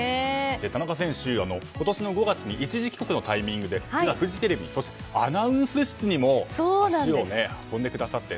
田中選手、今年５月の一時帰国のタイミングでフジテレビのアナウンス室にも足を運んでくださって。